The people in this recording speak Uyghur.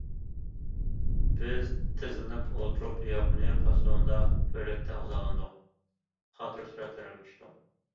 بىز تىزلىنىپ ئولتۇرۇپ، ياپونىيە پاسونىدا بىرلىكتە غىزالاندۇق، خاتىرە سۈرەتلەرگە چۈشتۇق.